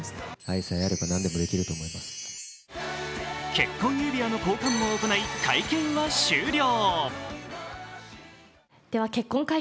結婚指輪の交換も行い、会見は終了。